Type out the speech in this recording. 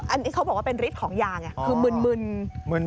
อันนี้เขาบอกว่าเป็นฤทธิ์ของยาไงคือมึน